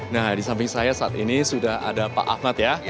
nah di samping saya saat ini sudah ada pak ahmad ya